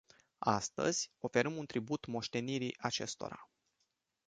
Astăzi, oferim un tribut moștenirii acestora.